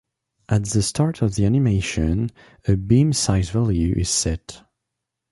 At the start of the animation, a beam size value is set.